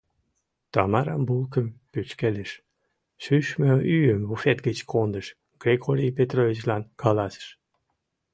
Тамара булкым пӱчкедыш, шӱшмӧ ӱйым буфет гыч кондыш, Григорий Петровичлан каласыш: